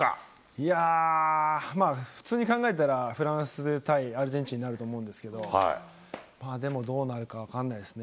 いやぁ、まあ、普通に考えたら、フランス対アルゼンチンになると思うんですけど、でもどうなるか分かんないですね。